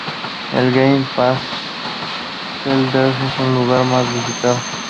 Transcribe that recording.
El Game Pass Shelter es el lugar más visitado.